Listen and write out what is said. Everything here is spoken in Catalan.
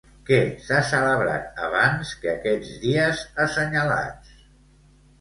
Què s'ha celebrat abans que aquests dies assenyalats?